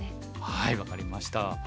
はい分かりました。